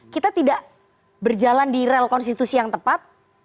kita tidak berjalan di rel konstitusi yang tepat